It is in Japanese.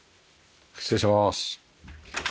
失礼します。